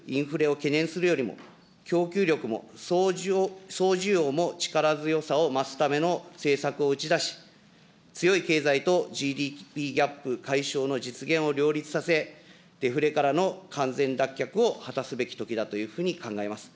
総需要を喚起するインフレを懸念するよりも、供給力も総需要も力強さを増すための政策を打ち出し、強い経済とＧＤＰギャップ解消の実現を両立させ、デフレからの完全脱却を果たすべきときだというふうに考えます。